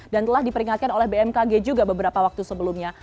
dan telah diperingatkan oleh bmkg juga beberapa waktu sebelumnya